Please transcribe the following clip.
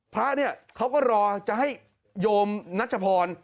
พระเนี่ยเขาก็รอจะให้โยมนัชพร